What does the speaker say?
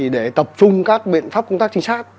để tập trung các biện pháp công tác chính xác